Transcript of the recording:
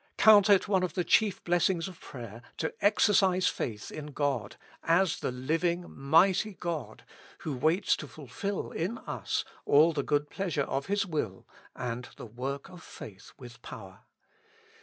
Count it one of the chief blessings of prayer to exercise faith in God, as the Living Mighty God, who waits to fulfill in us all the good pleasure of His will, and the work of faith with power.